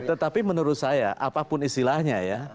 tetapi menurut saya apapun istilahnya ya